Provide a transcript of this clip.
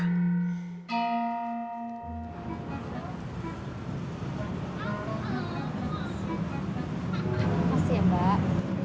terima kasih ya mbak